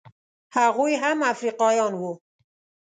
هغوی هم افریقایان وو.